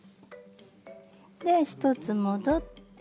で１つ戻って。